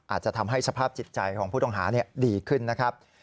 อาจจะทำให้สภาพจิตใจของผู้ต้องหาดีขึ้นนะครับ